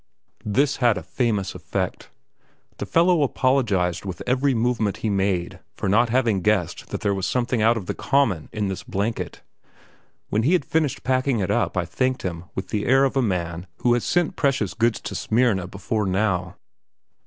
This had a famous effect. The fellow apologized with every movement he made for not having guessed that there was something out of the common in this blanket. When he had finished packing it up I thanked him with the air of a man who had sent precious goods to Smyrna before now.